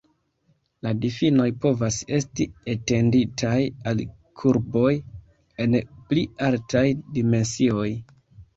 La difinoj povas esti etenditaj al kurboj en pli altaj dimensioj.